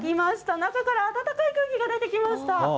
中から温かい空気が出てきました。